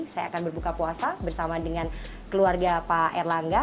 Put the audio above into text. saya akan berbuka puasa bersama dengan keluarga pak erlangga